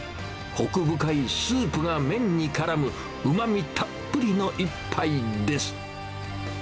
こく深いスープが麺にからむ、うまみたっぷりの一杯です。